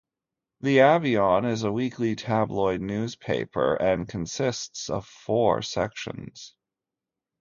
"The Avion" is a weekly tabloid newspaper and consists of four sections.